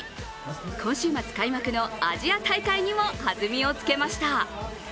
今週末開幕のアジア大会にも弾みをつけました。